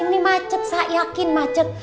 ini macet saya yakin macet